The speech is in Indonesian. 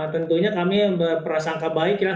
tentunya kami berperasaan angka baik ya